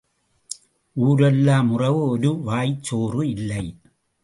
ஊர் எல்லாம் உறவு ஒரு வாய்ச் சோறு இல்லை.